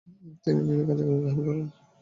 তিনি বিভিন্ন কার্যক্রম গ্রহণ করেন।